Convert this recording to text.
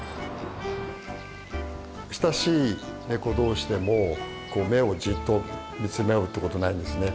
親しいネコ同士でもこう目をじっと見つめ合うってことないですね。